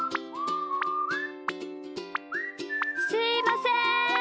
すいません。